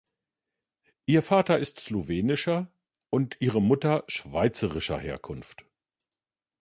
Ihr Vater ist slowenischer und ihre Mutter schweizerischer Herkunft.